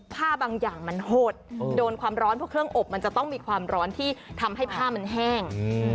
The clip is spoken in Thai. บางอย่างมันหดโดนความร้อนเพราะเครื่องอบมันจะต้องมีความร้อนที่ทำให้ผ้ามันแห้ง